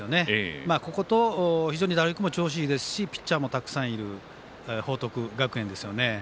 ここと非常に打力も調子がいいですしピッチャーもたくさんいる報徳学園ですよね。